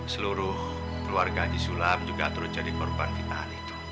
seluruh keluarga di sulam juga turut jadi korban fitnahan itu